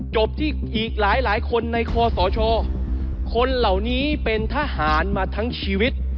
จบที่อีกหลายหลายคนในคอสชคนเหล่านี้เป็นทหารมาทั้งชีวิต